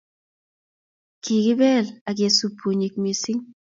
Kikibel akesub bunyik mising.